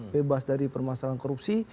bebas dari permasalahan korupsi